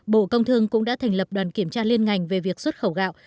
bộ công thương cũng đã thành lập đoàn kiểm tra liên ngành về việc xuất khẩu gạo